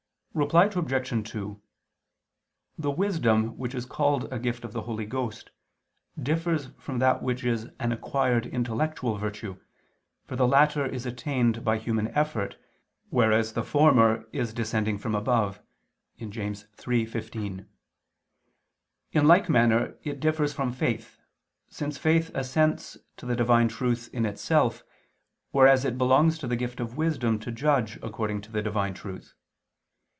Reply Obj. 2: The wisdom which is called a gift of the Holy Ghost, differs from that which is an acquired intellectual virtue, for the latter is attained by human effort, whereas the latter is "descending from above" (James 3:15). In like manner it differs from faith, since faith assents to the Divine truth in itself, whereas it belongs to the gift of wisdom to judge according to the Divine truth.